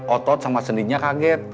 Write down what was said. otot sama sendinya kaget